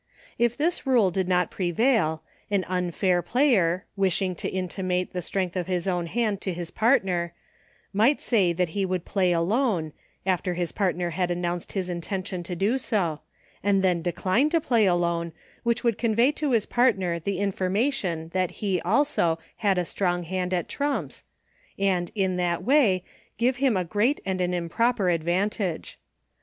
If this rule did not prevail, an unfair player, wishing to intimate the strength of his own hand to his partner, might say that he would Play Alone, after his partner had announced his intention to do so, and then decline to Play Alone, which would convey to his partner the information that he, also, had a strong hand at trumps, and, in that way, give him a great and an improper advantage.